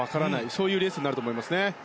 そういうレースになると思いますね。